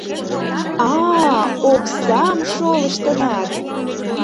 А-а-а, оксам шолыштыныт!